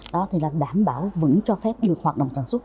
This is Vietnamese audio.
đó thì là đảm bảo vẫn cho phép được hoạt động sản xuất